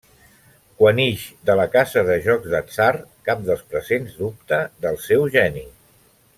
Quan ix de la casa de jocs d'atzar, cap dels presents dubta del seu geni.